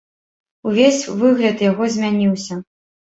Увесь выгляд яго змяніўся.